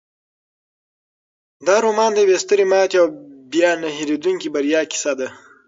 دا رومان د یوې سترې ماتې او بیا نه هیریدونکې بریا کیسه ده.